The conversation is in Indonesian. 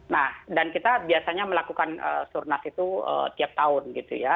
nah dan kita biasanya melakukan surnas itu tiap tahun gitu ya